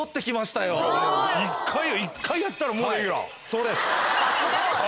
そうです。